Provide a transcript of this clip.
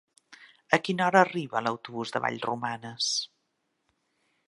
A quina hora arriba l'autobús de Vallromanes?